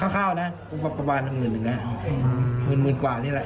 เข้านะประมาณหนึ่งหนึ่งนะหมื่นกว่านี่แหละ